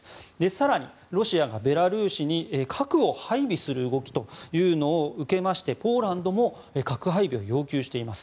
更に、ロシアがベラルーシに核を配備する動きというのを受けましてポーランドも核配備を要求しています。